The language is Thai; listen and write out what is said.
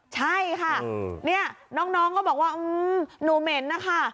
ใช่ค่ะนี่น้องก็บอกว่าหนูเหม็นนะคะ